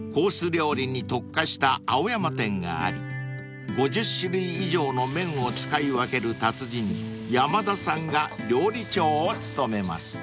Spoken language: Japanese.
料理に特化した青山店があり５０種類以上の麺を使い分ける達人山田さんが料理長を務めます］